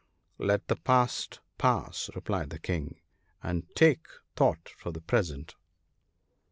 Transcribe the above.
" Let the past pass," replied the King, " and take thought for the present."